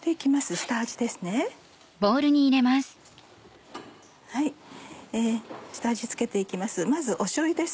下味付けて行きます